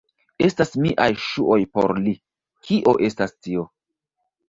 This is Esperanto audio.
Estas miaj ŝuoj por li. Kio estas tio?